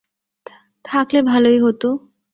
থাকলে ভালোই হতো।